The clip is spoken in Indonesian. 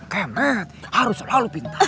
kemet harus selalu pintar